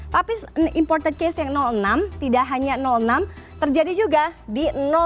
tapi imported case yang enam tidak hanya enam terjadi juga di satu